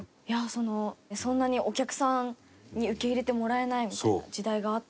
そのそんなにお客さんに受け入れてもらえないみたいな時代があったなんて。